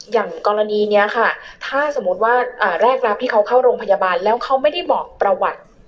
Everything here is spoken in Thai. อย่างกรณีนี้ค่ะถ้าสมมุติว่าแรกรับที่เขาเข้าโรงพยาบาลแล้วเขาไม่ได้บอกประวัติ